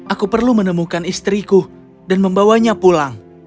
aku perlu menemukan istriku dan membawanya pulang